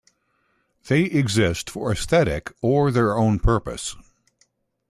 They exist for aesthetic or their own purpose.